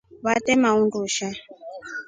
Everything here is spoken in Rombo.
Vetema undusha.